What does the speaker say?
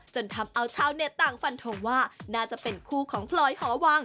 จนทำเอาเช่าเน็ตต่างฟันทงว่าน่าจะเป็นคู่ของพรอยฮว